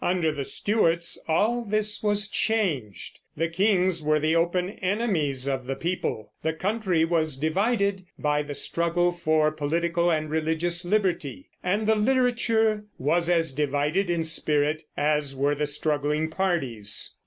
Under the Stuarts all this was changed. The kings were the open enemies of the people; the country was divided by the struggle for political and religious liberty; and the literature was as divided in spirit as were the struggling parties.